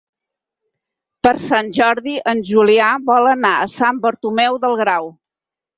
Per Sant Jordi en Julià vol anar a Sant Bartomeu del Grau.